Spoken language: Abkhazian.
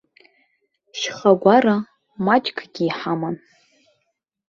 Шьхагәара маҷкгьы ҳаман.